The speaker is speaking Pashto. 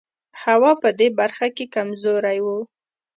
هوا په دې برخه کې کمزوری و.